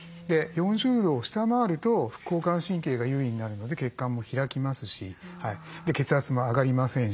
４０度を下回ると副交感神経が優位になるので血管も開きますし血圧も上がりませんし。